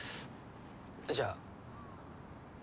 じゃあ。